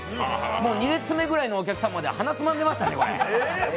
もう２列目ぐらいのお客さんまで鼻つまんでましたね。